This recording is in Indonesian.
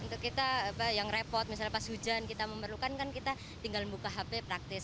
untuk kita yang repot misalnya pas hujan kita memerlukan kan kita tinggal buka hp praktis